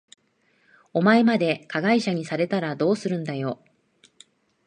お前まで加害者にされたらどうするんだよ。